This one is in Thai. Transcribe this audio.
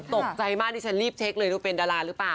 ตกใจมากดิฉันรีบเช็คเลยดูเป็นดาราหรือเปล่า